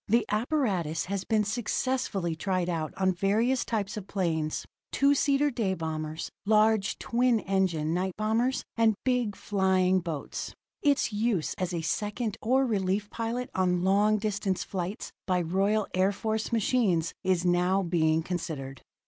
The apparatus has been successfully tried out on various types of planes two seater day bombers, large twin engine night bombers and big flying boats. Its use as a second or relief pilot on long distance flights by Royal Air Force machines is now being considered.